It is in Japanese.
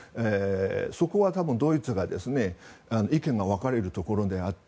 そこは多分、ドイツが意見が分かれるところであって